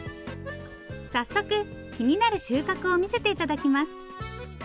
早速気になる収穫を見せて頂きます。